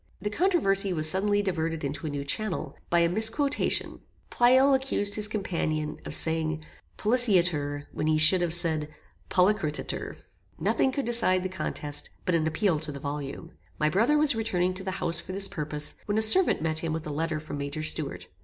The controversy was suddenly diverted into a new channel, by a misquotation. Pleyel accused his companion of saying "polliciatur" when he should have said "polliceretur." Nothing would decide the contest, but an appeal to the volume. My brother was returning to the house for this purpose, when a servant met him with a letter from Major Stuart.